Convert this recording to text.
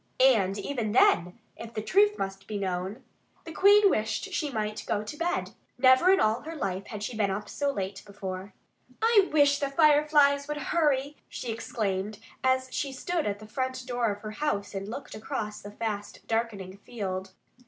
And even then, if the truth must be known, the Queen wished that she might go to bed. Never in all her life had she been up so late before. "I wish the Fireflies would hurry!" she exclaimed as she stood at the front door of her house and looked across the fast darkening field.